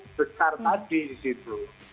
besar tadi disitu